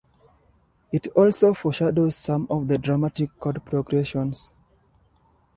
It also foreshadows some of the dramatic chord progressions.